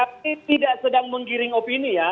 kami tidak sedang menggiring opini ya